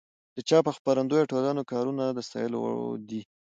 د چاپ او خپرندویه ټولنو کارونه د ستایلو دي.